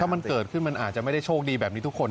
มันเกิดขึ้นมันอาจจะไม่ได้โชคดีแบบนี้ทุกคน